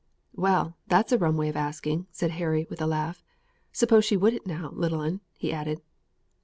"Well, that's a rum way of asking," said Harry, with a laugh. "Suppose she wouldn't now, little 'un," he added.